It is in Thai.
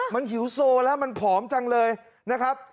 มันหิวโซแล้วมันผอมจังเลยนะครับ